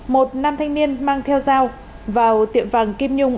một nam thanh niên mang theo dao vào tiệm vàng kim nhung